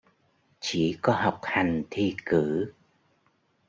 Chỉ có học hành thi cử